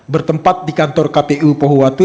bertempat di kantor kpu pohuwatu